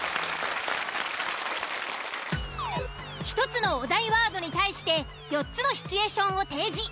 １つのお題ワードに対して４つのシチュエーションを提示。